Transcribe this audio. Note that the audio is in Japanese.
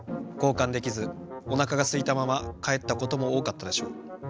こうかんできずおなかがすいたままかえったこともおおかったでしょう。